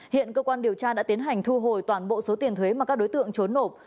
hiện cơ quan điều tra đã tiến hành thu hồi toàn bộ số tiền thuế mà các đối tượng trốn nộp